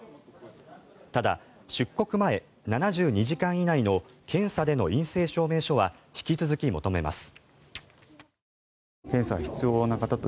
ただ、出国前７２時間以内の検査での陰性証明書は引き続き求めます。